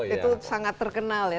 itu sangat terkenal ya